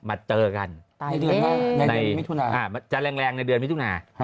มาเจอกันในมิถุนาจะแรงในเดือนมิถุนา